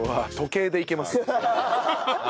ハハハハ。